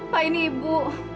pak ini ibu